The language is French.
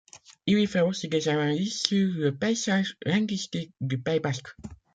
Il y fait aussi des analyses sur le paysage linguistique du Pays basque.